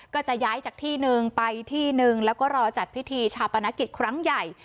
ก็จะย้ายจากที่หนึ่งไปที่หนึ่งแล้วก็รอจัดพิธีชาปนกิจครั้งใหญ่